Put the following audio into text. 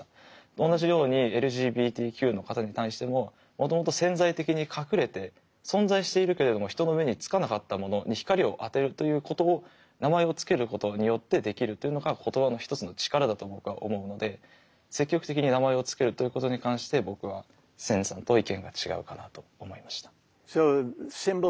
同じようにＬＧＢＴＱの方に対してももともと潜在的に隠れて存在しているけれども人の目に付かなかったものに光を当てるということを名前を付けることによってできるというのが言葉の一つの力だと僕は思うので積極的に名前を付けるということに関して僕はセンさんと意見が違うかなと思いました。